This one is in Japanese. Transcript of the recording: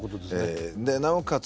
なおかつ